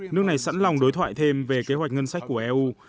nước này sẵn lòng đối thoại thêm về kế hoạch ngân sách của eu